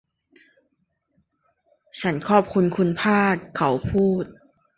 ฉันขอบคุณคุณพลาด เขาพูด